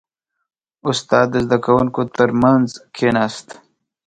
• استاد د زده کوونکو ترمنځ کښېناست.